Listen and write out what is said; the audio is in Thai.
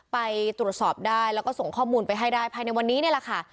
ไปตรวจสอบได้แล้วก็ส่งข้อมูลไปให้ได้ภายในวันนี้นี่แหละค่ะ